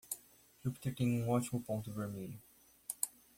Jupiter tem um ótimo ponto vermelho.